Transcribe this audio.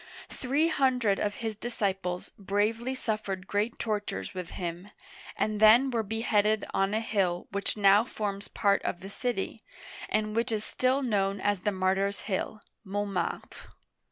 Three hundred of his disciples bravely suffered great tortures with him, and then were beheaded on a hill which now forms part of the city, and which is still known as the Martyrs' Hill(Montmartre).